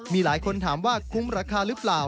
มีหลายคนถามว่าคุ้มราคาหรือเปล่า